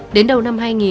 đến đầu năm hai nghìn